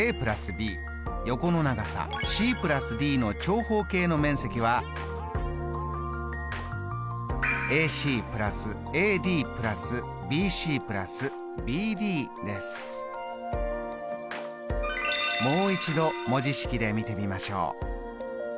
ｂ横の長さｃ＋ｄの長方形の面積はもう一度文字式で見てみましょう。